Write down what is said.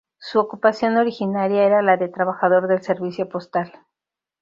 Su ocupación originaria era la de trabajador del servicio postal.